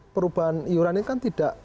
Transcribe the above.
perubahan iuran ini kan tidak